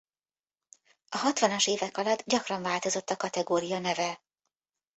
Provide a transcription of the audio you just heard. A hatvanas évek alatt gyakran változott a kategória neve.